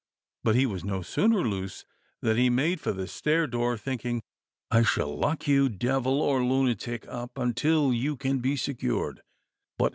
But he was no sooner loose, than he made for the stair door, thinking : "I shall lock you devil or lunatic up, until you can be secured."